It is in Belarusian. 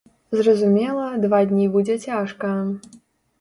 Зразумела, два дні будзе цяжка.